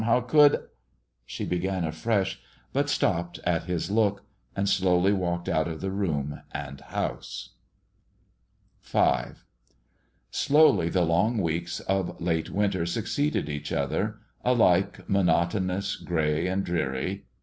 how could" she began afresh, but stopped at his look, and slowly walked out of the room and house. V Slowly the long weeks of late winter succeeded each other, alike monotonous, gray and dreary.